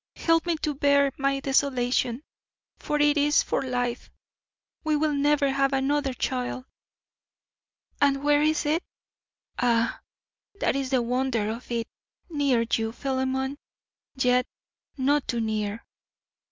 Help me to bear my desolation, for it is for life. We will never have another child. And where is it? Ah, that is the wonder of it. Near you, Philemon, yet not too near.